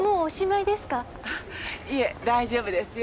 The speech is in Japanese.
いえ大丈夫ですよ。